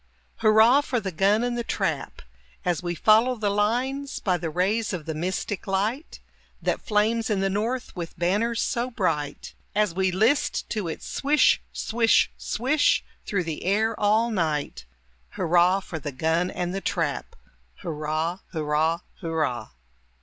Hurrah for the gun and the trap, As we follow the lines By the rays of the mystic light That flames in the north with banners so bright, As we list to its swish, swish, swish, through the air all night, Hurrah for the gun and the trap! Hurrah! Hurrah! Hurrah!